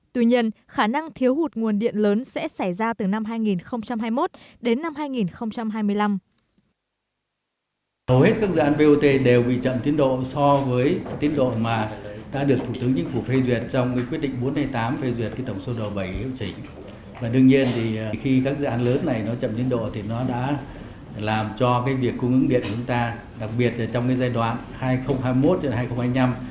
tuy nhiên khả năng thiếu hụt nguồn điện lớn sẽ xảy ra từ năm hai nghìn hai mươi một đến năm hai nghìn hai mươi năm